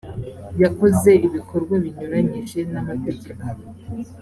yakoze ibikorwa binyuranyije n’amategeko